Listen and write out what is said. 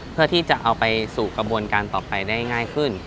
เพื่อที่จะเอาไปสู่กระบวนการต่อไปได้ง่ายขึ้น